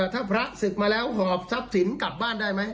ถ้าพระศึกมาแล้วหอบทรัพย์สินกลับบ้านได้ไหม